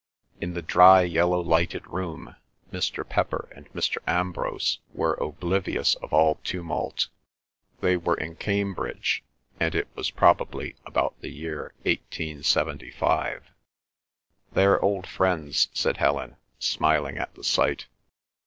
In the dry yellow lighted room Mr. Pepper and Mr. Ambrose were oblivious of all tumult; they were in Cambridge, and it was probably about the year 1875. "They're old friends," said Helen, smiling at the sight.